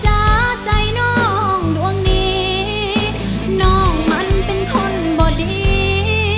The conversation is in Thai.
จ้าใจน้องดวงนี้น้องมันเป็นคนบ่ดี